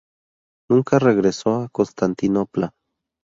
Nunca regresó a Constantinopla.